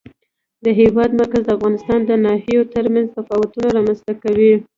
د هېواد مرکز د افغانستان د ناحیو ترمنځ تفاوتونه رامنځ ته کوي.